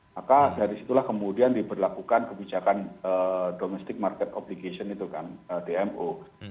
maka dari situlah kemudian diberlakukan kebijakan domestic market obligation itu kan dmo